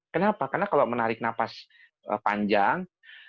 kenapa karena kalau menarik nafas panjang